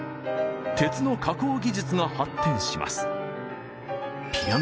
鉄の加工技術が発展します。